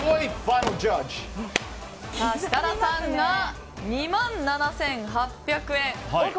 設楽さんが２万７８００円。